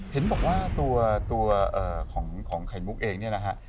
เห็นบอกว่าตัวของไข่มุกเองเนี่ยนะฮะ